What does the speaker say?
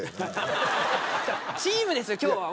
チームですよ今日は。